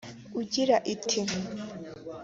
ugira iti